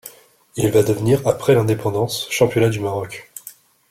Il va devenir après l'indépendance Championnat du Maroc.